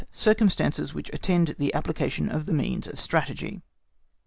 CIRCUMSTANCES WHICH ATTEND THE APPLICATION OF THE MEANS OF STRATEGY.